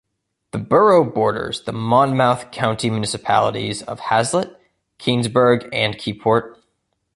The borough borders the Monmouth County municipalities of Hazlet, Keansburg and Keyport.